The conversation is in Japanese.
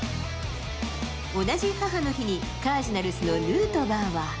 同じ母の日に、カージナルスのヌートバーは。